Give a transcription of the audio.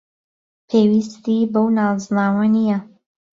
پێویستی بهو نازناوه نییه